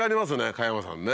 加山さんね。